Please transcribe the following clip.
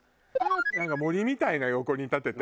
なんか森みたいな横に建てて。